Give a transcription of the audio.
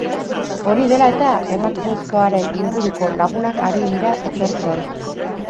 Hori dela eta, emakumezkoaren inguruko lagunak ari dira ikertzen.